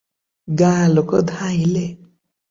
ଗାଁ ଲୋକ ଧାଇଁଲେ ।